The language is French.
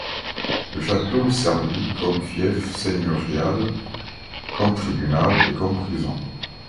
Le château servit comme fief seigneurial, comme tribunal et comme prison.